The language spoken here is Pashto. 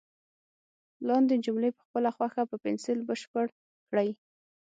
لاندې جملې په خپله خوښه په پنسل بشپړ کړئ.